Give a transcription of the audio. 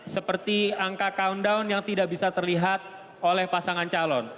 seperti angka countdown yang tidak bisa terlihat oleh pasangan calon